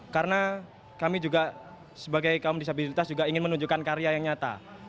karena kami juga sebagai kaum disabilitas ingin menunjukkan karya yang nyata